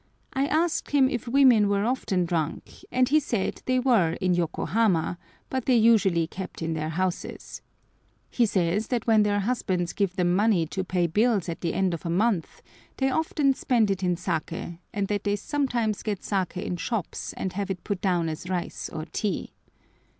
I asked him if women were often drunk, and he said they were in Yokohama, but they usually kept in their houses. He says that when their husbands give them money to pay bills at the end of a month, they often spend it in saké, and that they sometimes get saké in shops and have it put down as rice or tea.